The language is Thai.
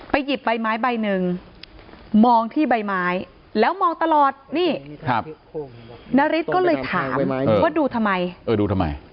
ไปหยิบใบไม้ใบหนึ่งมองที่ใบไม้แล้วมองตลอดนี่นาริสก็เลยถามว่าดูทำไม